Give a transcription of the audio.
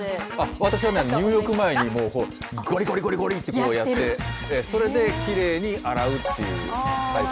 私はね、入浴前に、もう、ごりごりごりごりってこうやって、それできれいに洗うっていうタイプ。